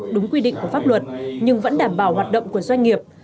đúng quy định của pháp luật nhưng vẫn đảm bảo hoạt động của doanh nghiệp